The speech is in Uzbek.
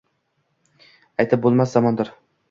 Aytib bo’lmas zamondir».